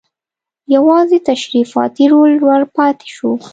یوازې تشریفاتي رول ور پاتې شو.